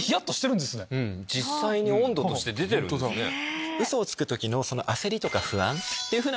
実際に温度として出てるんですね。